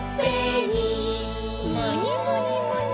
むにむにむに！